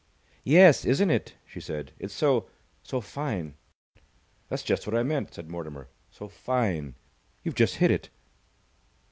"Yes, isn't it?" she said. "It's so so fine." "That's just what I meant," said Mortimer. "So fine. You've just hit it."